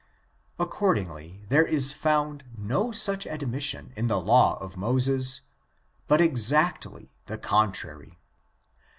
Accord ingly, there is found no such admission in the law of Moses, but exactly the contrary.